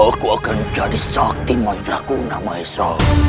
aku akan jadi sakti mantraku nama esa